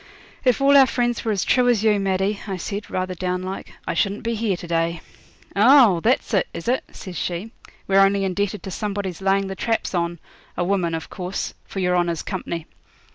'If all our friends were as true as you, Maddie,' I said, rather down like, 'I shouldn't be here to day.' 'Oh! that's it, is it?' says she; 'we're only indebted to somebody's laying the traps on a woman of course for your honour's company.